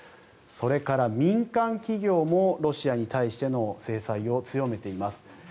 それから、民間企業もロシアに対しての制裁を強めています。